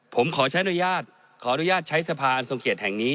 ผมขอใช้อนุญาตขออนุญาตใช้สภาอันทรงเขียนแห่งนี้